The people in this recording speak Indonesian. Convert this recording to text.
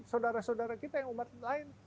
saudara saudara kita yang umat lain